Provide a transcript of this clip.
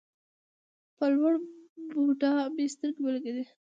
په لوړ بودا مې سترګې ولګېدې.